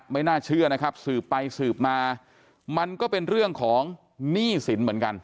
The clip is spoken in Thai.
ไม่น่าเชื่อนะครับสืบไปสืบมามันก็เป็นเรื่องของหนี้สินเหมือนกัน